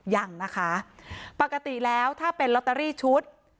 ยังนะคะปกติแล้วถ้าเป็นลอตเตอรี่ชุด